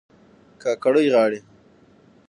کاکړۍ غاړي